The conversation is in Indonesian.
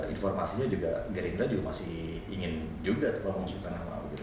informasinya juga garingda juga masih ingin juga terbang musim panah panah gitu